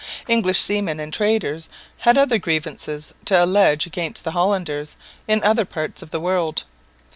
English seamen and traders had other grievances to allege against the Hollanders in other parts of the world.